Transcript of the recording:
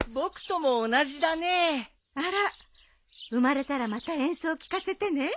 あら生まれたらまた演奏聴かせてね。